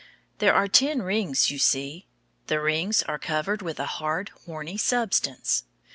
There are ten rings, you see. The rings are covered with a hard, horny substance.